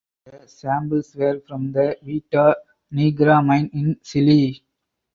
The samples were from the Veta Negra mine in Chile.